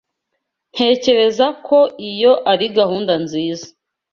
Ntekereza ko iyo ari gahunda nziza